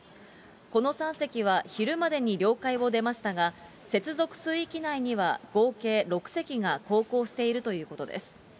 この３隻は、昼までに領海を出ましたが、接続水域内には合計６隻が航行しているということです。